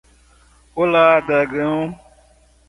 Olá dragão